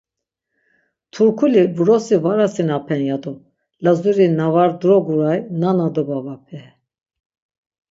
Turkuri vrosi var asinapen, ya do Lazuri na var dvoguray nana do babape!